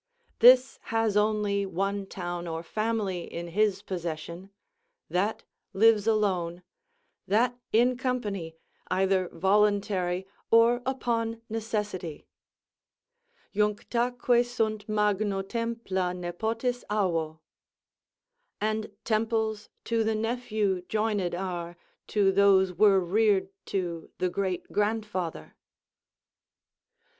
This has only one town or family in his possession; that lives alone; that in company, either voluntary or upon necessity: Junctaque sunt magno templa nepotis avo. "And temples to the nephew joined are, To those were reared to the great grandfather."